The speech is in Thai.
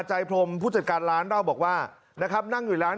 พรมผู้จัดการร้านเล่าบอกว่านะครับนั่งอยู่ร้าน